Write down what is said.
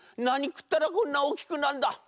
なにくったらこんなおおきくなんだ」。